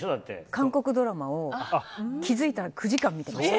韓国ドラマを気づいたら９時間見ていました。